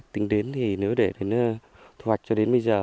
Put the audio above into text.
tính đến thì nếu để thu hoạch cho đến bây giờ